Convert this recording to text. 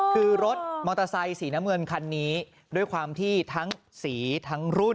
คือรถมอเตอร์ไซค์สีน้ำเงินคันนี้ด้วยความที่ทั้งสีทั้งรุ่น